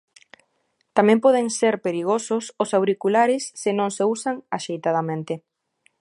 Tamén poden ser perigosos os auriculares se non se usan axeitadamente.